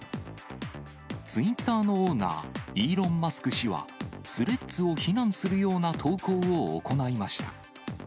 ツイッターのオーナー、イーロン・マスク氏は、スレッズを非難するような投稿を行いました。